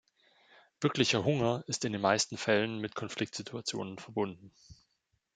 Wirklicher Hunger ist in den meisten Fällen mit Konfliktsituationen verbunden.